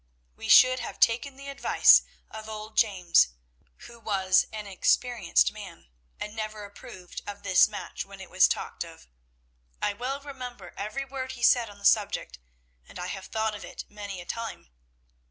We should have taken the advice of old James, who was an experienced man and never approved of this match when it was talked of. I well remember every word he said on the subject, and I have thought of it many a time.